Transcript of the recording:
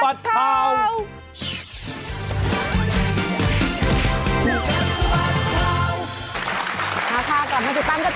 มาค่ะกลับมาติดตามกันตอนนี้คู่กับสมัติข่าว